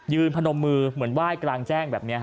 พนมมือเหมือนไหว้กลางแจ้งแบบนี้